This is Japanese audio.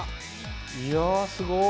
いやすごい。